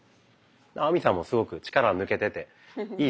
亜美さんもすごく力抜けてていいと思います。